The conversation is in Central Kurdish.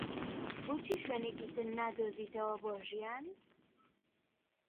بۆچی شوێنێکی تر نادۆزیتەوە بۆ ژیان؟